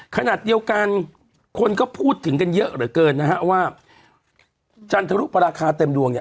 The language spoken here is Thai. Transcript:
ขนาดเดียวกันคนก็พูดถึงกันเยอะเหลือเกินว่าจันทร์ทะลุปราคาเต็มดวง